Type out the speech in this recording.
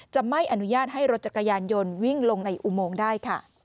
ไม่อนุญาตให้รถจักรยานยนต์วิ่งลงในอุโมงได้ค่ะ